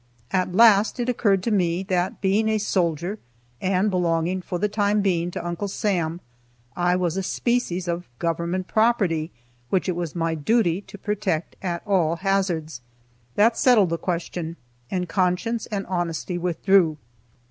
At last it occurred to me that being a soldier, and belonging for the time being to Uncle Sam, I was a species of government property, which it was my duty to protect at all hazards. That settled the question, and conscience and honesty withdrew.